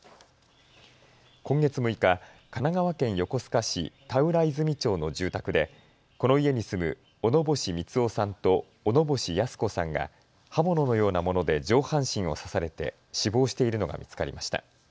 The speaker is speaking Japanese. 今月６日、神奈川県横須賀市田浦泉町の住宅でこの家に住む小野星三男さんと小野星泰子さんが刃物のようなもので上半身を刺されて死亡しているのが見つかりました。